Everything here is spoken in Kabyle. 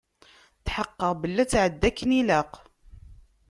Tḥeqqeɣ belli ad tεeddi akken ilaq.